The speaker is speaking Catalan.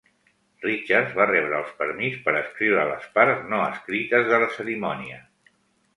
Richards va rebre el permís per escriure les parts no escrites de la cerimònia.